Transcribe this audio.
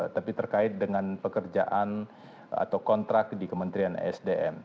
tapi terkait dengan pekerjaan atau kontrak di kementerian sdm